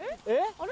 あれ？